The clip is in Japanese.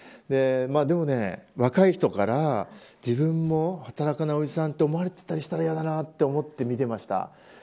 でもね、若い人から自分も働かないおじさんと思われていたら嫌だなと思って見ていました。